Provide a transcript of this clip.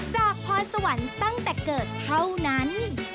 พรสวรรค์ตั้งแต่เกิดเท่านั้น